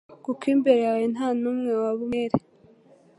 kuko imbere yawe nta n’umwe waba umwere